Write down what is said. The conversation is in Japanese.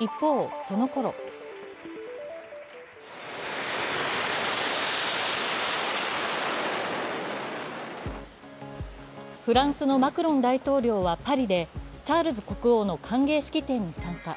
一方、そのころフランスのマクロン大統領はパリで、チャールズ国王の歓迎式典に参加。